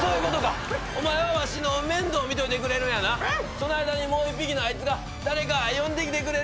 その間にもう１匹のあいつが誰か呼んできてくれるんやな。